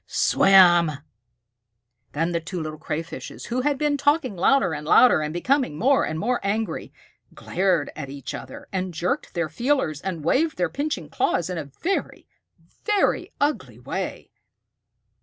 "Swim!" Then the two little Crayfishes, who had been talking louder and louder and becoming more and more angry, glared at each other, and jerked their feelers, and waved their pinching claws in a very, very ugly way.